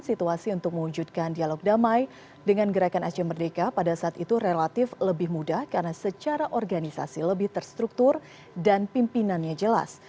situasi untuk mewujudkan dialog damai dengan gerakan aceh merdeka pada saat itu relatif lebih mudah karena secara organisasi lebih terstruktur dan pimpinannya jelas